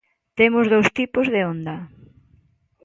Temos dous tipos de onda.